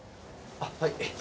あっはい。